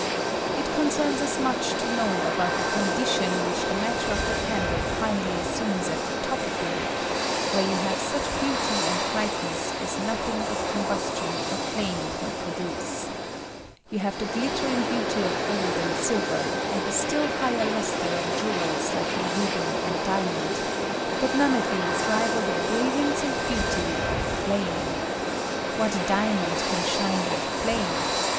It concerns us much to know about the condi tion which the matter of the candle finally as sumes at the top of the wick, where you have such beauty and brightness as nothing but combustion or flame can produce. You have the guttering beauty of gold and silver, and the still higher lustre of jewels lito the ruby and diamond ; but none of these rival the bril hancy and beauty of flame. What diamond can shine Uke flame